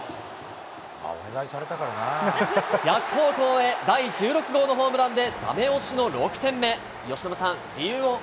逆方向へ、第１６号のホームランでだめ押しの６点目。